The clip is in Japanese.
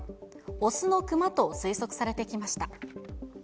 雄の熊と推測されてきました。